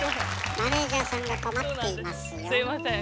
マネージャーさんが困っていますよ。